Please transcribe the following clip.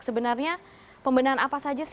sebenarnya pembenahan apa saja sih